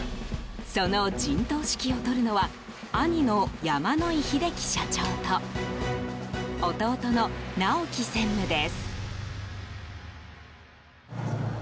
その陣頭指揮を執るのは兄の山野井秀樹社長と弟の直樹専務です。